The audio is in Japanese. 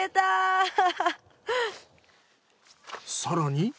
更に。